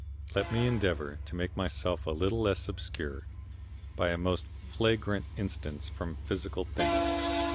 Let me endeavour to make myself a little less obscure by a most flagrant instance from physical things.